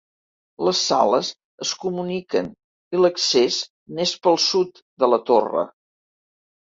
Les sales es comuniquen, i l'accés n'és pel sud de la torre.